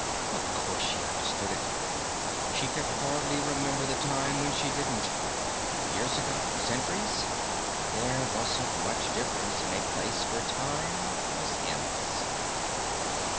Of course she understood it. She could hardly remember the time when she didn't. Years ago? Centuries? There wasn't much difference in a place where time was endless.